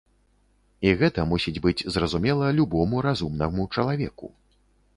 І гэта мусіць быць зразумела любому разумнаму чалавеку.